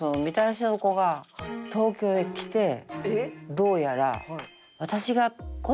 どうやら。